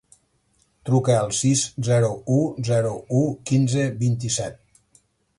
Truca al sis, zero, u, zero, u, quinze, vint-i-set.